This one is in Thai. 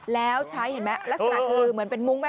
แล้วใช้เห็นไหมลักษณะคือเหมือนเป็นมุ้งไหม